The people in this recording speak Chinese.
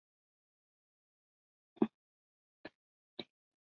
东北地岛与斯匹次卑尔根岛隔欣洛彭海峡。